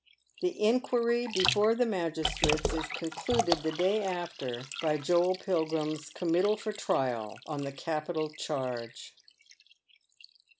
The inquiry before the magistrates is concluded the day after by Joel Pilgiim'g eommittal for trial, on the capital charge.